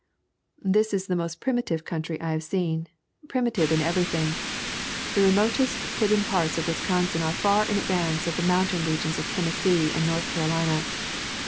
This is the most primitive country I have seen, primitive in everything. The remotest hidden parts of Wisconsin are far in advance of the mountain regions of Tennessee and North Carolina.